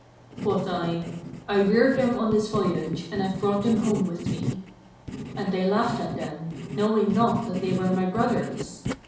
Quoth I, 'I reared them on this voyage and have brought them home with me.' And they laughed at them, knowing not that they were my brothers.